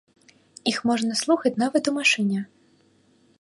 Іх можна слухаць нават у машыне.